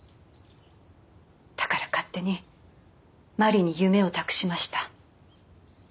だから勝手に真理に夢を託しました。